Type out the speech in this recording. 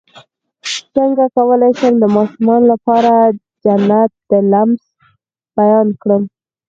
څنګه کولی شم د ماشومانو لپاره د جنت د لمس بیان کړم